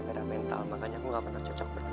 bukannya makanya behind the scenes ya